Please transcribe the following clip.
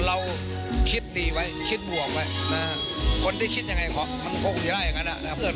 เราคิดดีไว้คิดบวกไว้คนที่คิดยังไงมันคงไม่ได้อย่างนั้น